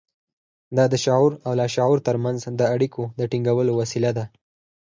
دا د شعور او لاشعور ترمنځ د اړيکو د ټينګولو وسيله ده.